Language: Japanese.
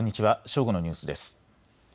正午のニュースです。